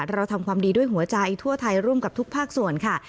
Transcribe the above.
เราทำความดีด้วยหัวใจทั่วไทยร่วมกับทุกภาคส่วนค่ะ